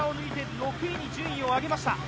６位に順位を上げました。